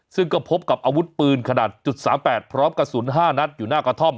ซึ่งก็พบกับอาวุธปืนขนาด๓๘พร้อมกระสุน๕นัดอยู่หน้ากระท่อม